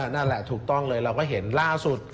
นั่นแหละถูกต้องเลยเราก็เห็นล่าสุด